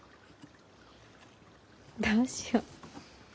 どうしよう。